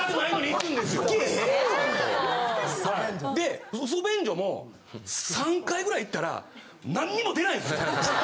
はいで嘘便所も３回ぐらい行ったらなんにも出ないんですよ。